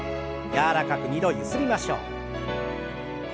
柔らかく２度ゆすりましょう。